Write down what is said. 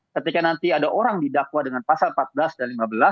ketika nanti ada orang didakwa dengan pasal empat belas dan lima belas